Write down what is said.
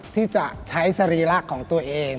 ที่จะใช้สรีระของตัวเอง